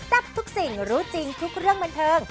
ทับทุกสิ่งรู้จริงทุกเรื่องบันเทิง